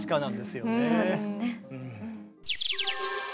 そうですね。